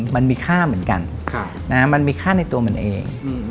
มันมีค่าเหมือนกันมันมีค่าในตัวมันเอง